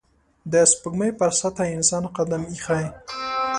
د سپوږمۍ پر سطحه انسان قدم ایښی